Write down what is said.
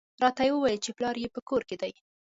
راته یې وویل چې پلار یې په کور کې دی.